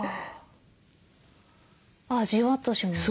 あじわっとします。